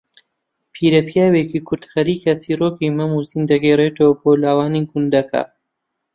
پیرەپیاوێکی کورد خەریکە چیرۆکی مەم و زین دەگێڕەتەوە بۆ لاوانی گوندەکە